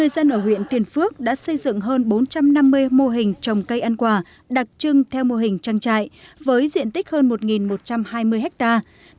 viện tuyền phước đã xây dựng hơn bốn trăm năm mươi mô hình trồng cây ăn quả đặc trưng theo mô hình trang trại với diện tích hơn một một trăm hai mươi hectare